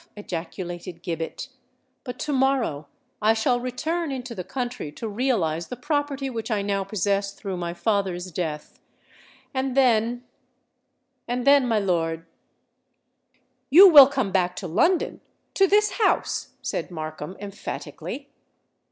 ejaculated Gibbet: "but to morrow I shall return into the country to realize the property which I now possess through my father's death—and then—and then, my lord——" "You will come back to London—to this house," said Markham, emphatically.